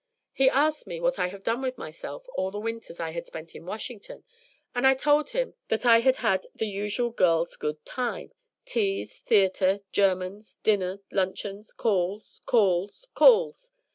He asked me what I had done with myself during all the winters I had spent in Washington, and I told him that I had had the usual girls' good time, teas, theatre, Germans, dinners, luncheons, calls, calls, calls!